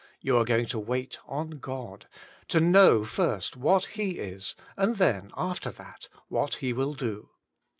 You are going to WAIT ON God, to know jir%t^ what He is, and then, after that, what He will do.